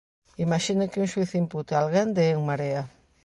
Imaxine que un xuíz impute a alguén de En Marea.